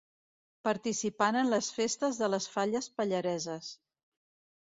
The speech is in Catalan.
Participant en les festes de les falles pallareses.